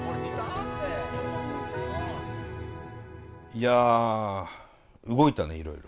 いや動いたねいろいろ。